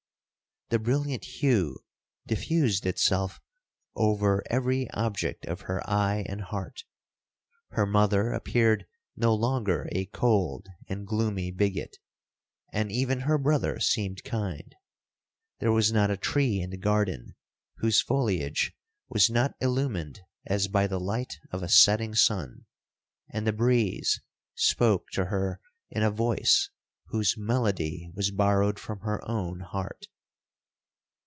The brilliant hue diffused itself over every object of her eye and heart. Her mother appeared no longer a cold and gloomy bigot, and even her brother seemed kind. There was not a tree in the garden whose foliage was not illumined as by the light of a setting sun; and the breeze spoke to her in a voice whose melody was borrowed from her own heart.